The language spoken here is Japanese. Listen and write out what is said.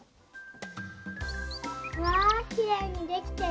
わあきれいにできてる。